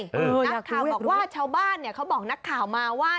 นักข่าวบอกว่าชาวบ้านเขาบอกนักข่าวมาว่า